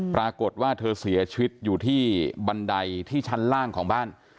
ปรากฏว่าเธอเสียชีวิตอยู่ที่บันไดที่ชั้นล่างของบ้าน